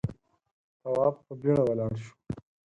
تواب په بيړه ولاړ شو.